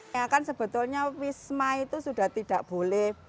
ya kan sebetulnya wisma itu sudah tidak boleh